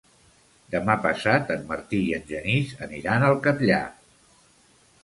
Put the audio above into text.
Demà passat en Martí i en Genís aniran al Catllar.